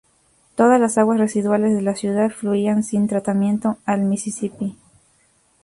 Todas las aguas residuales de la ciudad fluían sin tratamiento al Mississippi.